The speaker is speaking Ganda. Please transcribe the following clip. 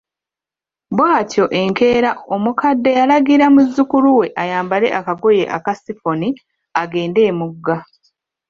Bw’atyo enkeera omukadde yalagira muzzukulu we ayambale akagoye ke aka sifoni agende emugga.